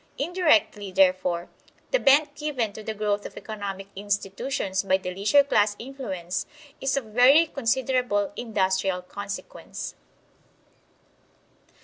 Indirectly, therefore, the bent given to the growth of economic institutions by the leisure class influence is of very considerable industrial consequence.